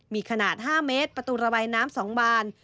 มีขนาด๕เมตรประตูระบายน้ำ๒บาน